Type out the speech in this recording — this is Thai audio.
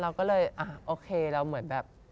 เราก็เลยโอเคเราเหมือนแบบ